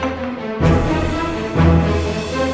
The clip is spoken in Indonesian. aku ngumpet dulu